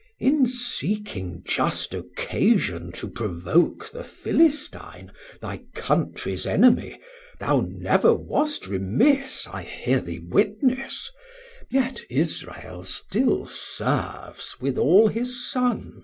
Chor: In seeking just occasion to provoke The Philistine, thy Countries Enemy, Thou never wast remiss, I hear thee witness: Yet Israel still serves with all his Sons.